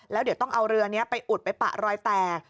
แล้วเดี๋ยวต้องเอาเรือนี้ไปอุดไปปะรอยแตก